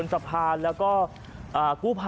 สวัสดีครับ